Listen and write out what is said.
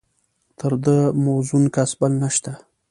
تر ده موزون کس بل نشته.